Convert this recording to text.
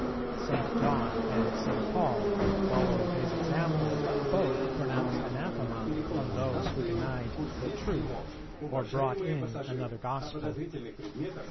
St. John and St. Paul, following his example, both pronounce anathema on those who denied "the Truth" or "brought in another Gospel."